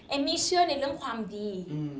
มี่เชื่อในเรื่องความดี